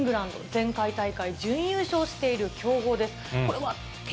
前回大会準優勝している強豪です。